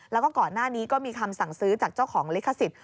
แล้วก็ก่อนหน้านี้ก็มีคำสั่งซื้อจากเจ้าของลิขสิทธิ